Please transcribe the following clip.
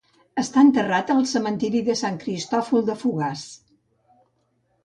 Està enterrat al cementiri de Sant Cristòfol de Fogars.